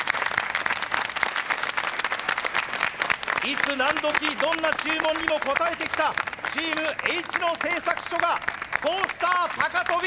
いつ何時どんな注文にも応えてきたチームＨ野製作所が「トースター高跳び」